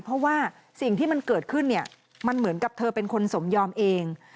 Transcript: เพราะว่าสิ่งที่มันเกิดขึ้นเนี่ยมันเหมือนกับเธอเป็นคนสมยอมเอง